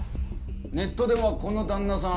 ネットではこの旦那さん